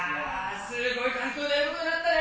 すごい環境でやることになったね。